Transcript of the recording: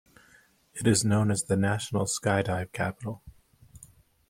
It is known as the "National Skydive Capital".